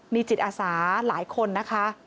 มีจิตอาสาหลายคนนะคะ